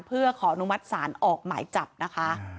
เพื่อขออนุมัติศาลออกหมายจับนะคะ